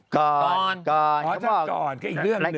ก่อนขอฉันก่อนก็อีกเรื่องหนึ่ง